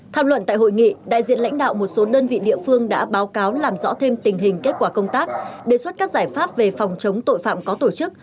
tham luận tại hội nghị đại diện lãnh đạo một số đơn vị địa phương đã báo cáo làm rõ thêm tình hình kết quả công tác đề xuất các giải pháp về phòng chống tội phạm có tổ chức